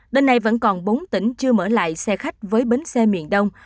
đến nay vẫn còn bốn tỉnh chưa mở lại xe khách với bến xe miền đông